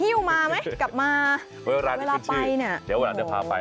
เดี๋ยวล้านเดี๋ยวภาพไปร้านนี้ขึ้นชื่อมาก